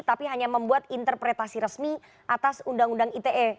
tapi hanya membuat interpretasi resmi atas undang undang ite